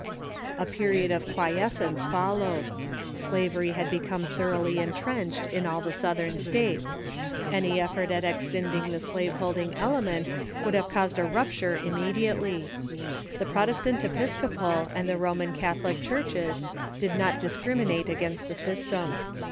A period of quiescence followed. Slavery had become thoroughly intrenched in all the Southern States. Any ef fort at exscinding the slave holding element would Period of j^^yg eaused a rupture immediatelv. The Protestant Quiescence '■.'.. Episcopal and Roman Catholic Churches did not dis criminate against the system.